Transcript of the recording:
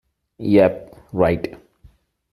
Yep, right!